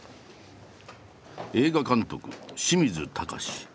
映画監督清水崇。